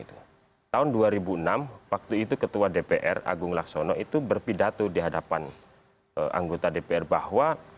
tahun dua ribu enam waktu itu ketua dpr agung laksono itu berpidato di hadapan anggota dpr bahwa